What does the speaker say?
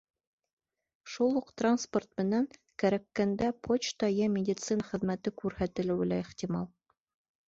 Шул уҡ транспорт менән кәрәккәндә почта йә медицина хеҙмәте күрһәтелеүе лә ихтимал.